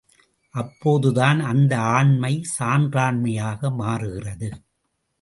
அப்போதுதான் அந்த ஆண்மை சான்றாண்மையாக மாறுகிறது.